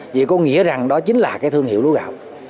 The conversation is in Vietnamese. vậy có nghĩa rằng đó chính là cái thương hiệu lúa gạo